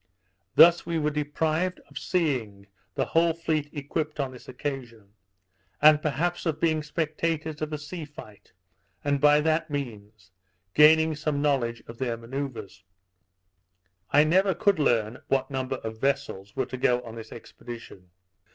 Thus we were deprived of seeing the whole fleet equipped on this occasion; and perhaps of being spectators of a sea fight, and by that means, gaining some knowledge of their manoeuvres. I never could learn what number of vessels were to go on this expedition.